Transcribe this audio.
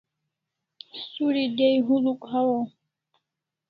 Suri dai huluk hawaw